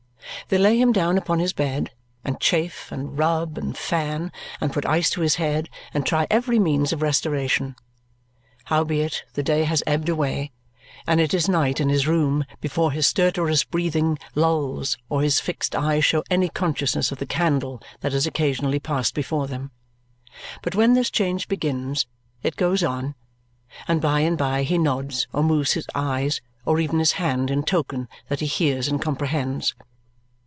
They lay him down upon his bed, and chafe, and rub, and fan, and put ice to his head, and try every means of restoration. Howbeit, the day has ebbed away, and it is night in his room before his stertorous breathing lulls or his fixed eyes show any consciousness of the candle that is occasionally passed before them. But when this change begins, it goes on; and by and by he nods or moves his eyes or even his hand in token that he hears and comprehends.